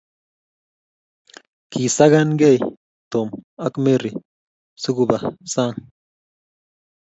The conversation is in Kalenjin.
Kisakan gei Tom ak Mary sikuba sang'